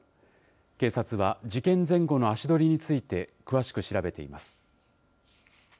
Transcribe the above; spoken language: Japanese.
警察は事件前後の足取りについて、詳しく調べています。